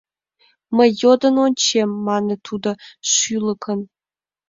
Мый йодын ончем, — мане тудо шӱлыкын.